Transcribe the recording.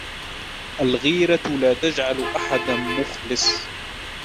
الغيرة لا تجعل أحد مخلص